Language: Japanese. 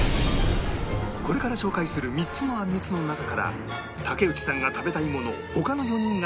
これから紹介する３つのあんみつの中から竹内さんが食べたいものを他の４人が推理